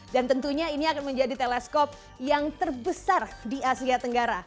dan tentunya ini akan menjadi teleskop yang terbesar di asia tenggara